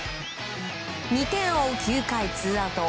２点を追う９回ツーアウト。